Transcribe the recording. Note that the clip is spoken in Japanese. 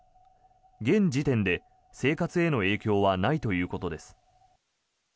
現時点で生活への影響はないということです。